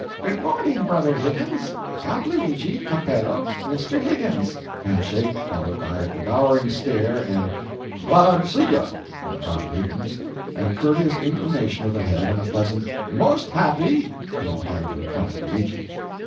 "Good morning, Brother Higgins Count Luigi Capello, Mr. Higgins" hand shake, followed by a devouring stare and "I'm glad to see ye," on the part of Higgins, and a courteous inclination of the head and a pleasant "Most happy!" on the part of Count Luigi.